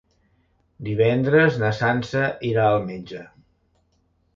Divendres na Sança irà al metge.